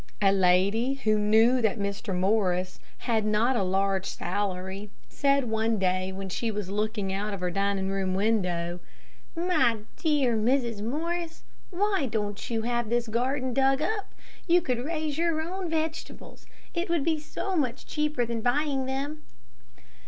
A lady who knew that Mr. Morris had not a large salary, said one day when she was looking out of the dining room window, "My dear Mrs. Morris, why don't you have this garden dug up? You could raise your own vegetables. It would be so much cheaper than buying them."